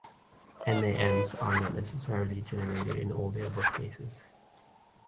NaNs are not necessarily generated in all the above cases.